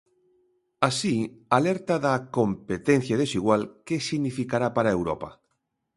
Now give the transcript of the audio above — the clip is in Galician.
Así, alerta da "competencia desigual" que significará para Europa.